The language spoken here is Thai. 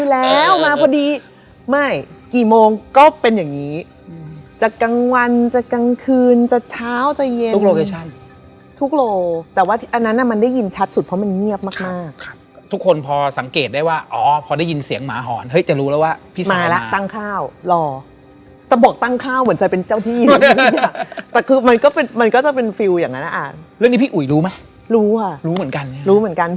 แล้วคนหลังจากไซน์เนี่ยก็คือมีแต่เสียงไม่มีภาพ